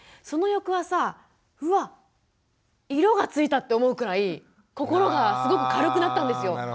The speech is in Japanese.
その翌朝うわ色がついたって思うくらい心がすごく軽くなったんですよ。